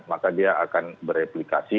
maka dia akan bereplikasi